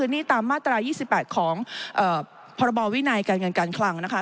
นี่ตามมาตรา๒๘ของพรบวินัยการเงินการคลังนะคะ